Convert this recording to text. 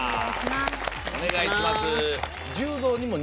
お願いします。